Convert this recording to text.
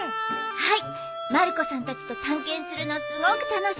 はい。